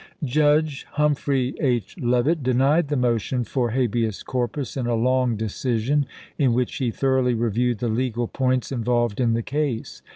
Judge Humphrey H. Leavitt denied the motion for habeas corpus in a long decision, in which he thoroughly reviewed the legal points involved in the case.